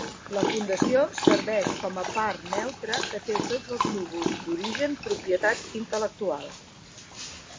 La Fundació serveix com a part neutra que té tots els núvols d'origen propietat intel·lectual.